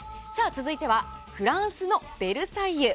続いては、フランスのベルサイユ。